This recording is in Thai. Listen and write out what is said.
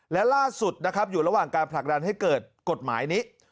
และล่าสุดนะครับอยู่ระหว่างการผลักดันให้เกิดกฎหมายนี้